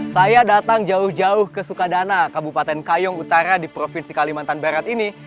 saya datang jauh jauh ke sukadana kabupaten kayong utara di provinsi kalimantan barat ini